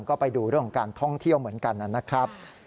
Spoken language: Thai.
ก็ไปดูเรื่องของการท่องเที่ยวเหมือนกันนะครับ